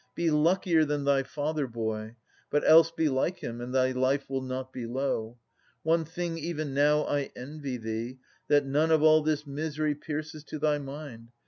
Be luckier than thy father, boy! but else Be like him, and thy life will not be low. One thing even now I envy thee, that none Of all this misery pierces to thy mind.